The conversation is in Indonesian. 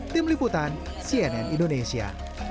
tim liputan cnn indonesia